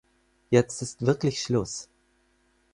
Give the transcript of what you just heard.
Jetzt ist wirklich Schluss.